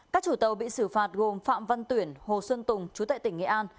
các chủ tàu bị xử phạt gồm phạm văn tuyển hồ xuân tùng chú tại tỉnh nghệ an